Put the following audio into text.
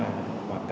đấy là nó là cái gì